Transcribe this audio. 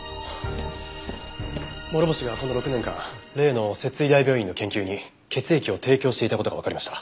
諸星がこの６年間例の摂津医大病院の研究に血液を提供していた事がわかりました。